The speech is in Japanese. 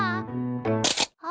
あ！